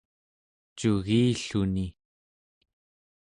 cugilluni